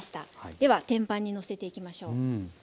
では天板にのせていきましょう。